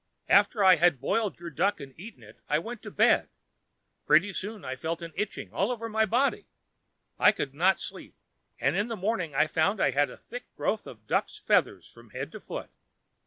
"After I had boiled your duck and eaten it, I went to bed. Pretty soon I felt an itching all over my body. I could not sleep and in the morning I found that I had a thick growth of duck's feathers from head to foot.